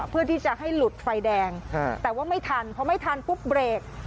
เพื่อที่จะให้หลุดไฟแดงแต่ว่าไม่ทันเพราะไม่ทันปุ๊บเบรก